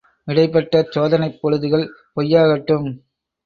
– இடைப்பட்ட சோதனைப் பொழுதுகள் பொய்யாகட்டும்!